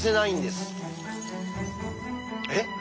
えっ？